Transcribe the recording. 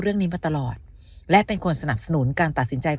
เรื่องนี้มาตลอดและเป็นคนสนับสนุนการตัดสินใจของ